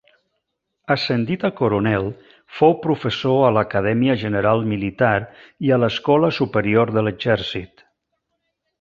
Ascendit a coronel, fou professor a l'Acadèmia General Militar i a l'Escola Superior de l'Exèrcit.